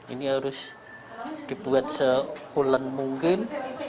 ini harus dibuat sekulen mungkin